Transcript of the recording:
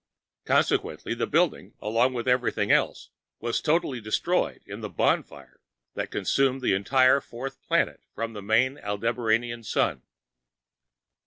Consequently, the building, along with everything else, was totally destroyed in the "bonfire" that consumed the entire fourth planet from the main Aldebaranian sun.